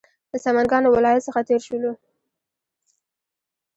د سمنګانو ولایت څخه تېر شولو.